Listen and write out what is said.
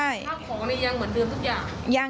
ข้าวของยังเหมือนเดิมทุกอย่าง